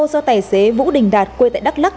do tài xế vũ đình đạt quê tại đắk lắc